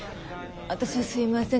私はすいません